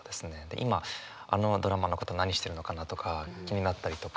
今あのドラマーの方何してるのかなとか気になったりとか。